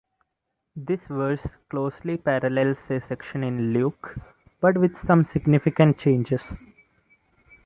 This verse closely parallels a section in Luke, but with some significant changes.